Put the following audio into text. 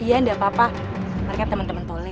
iya enggak apa apa mereka teman teman poli